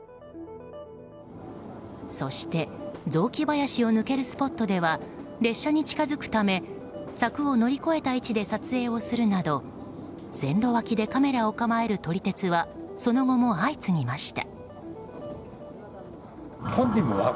そして雑木林を抜けるスポットでは列車に近づくため柵を乗り越えた位置で撮影をするなど線路脇でカメラを構える撮り鉄はその後も相次ぎました。